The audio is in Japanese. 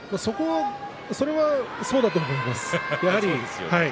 それはそうだと思います。